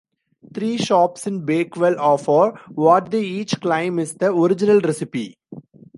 Three shops in Bakewell offer what they each claim is the original recipe.